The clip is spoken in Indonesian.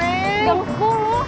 gak mau ke kulu